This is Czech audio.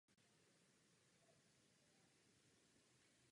Ale to se nestalo.